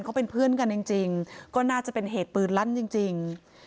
เขาเป็นเพื่อนกันจริงก็น่าจะเป็นเหตุปืนลั่นจริง